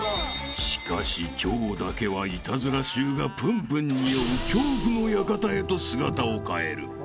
［しかし今日だけはイタズラ臭がプンプンにおう恐怖の館へと姿を変える］